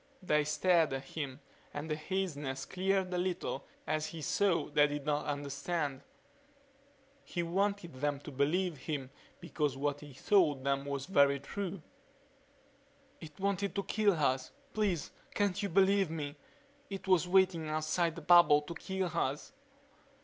They stared at him and the haziness cleared a little as he saw they did not understand. He wanted them to believe him because what he told them was so very true. "It wanted to kill us. Please can't you believe me? It was waiting outside the bubble to kill us."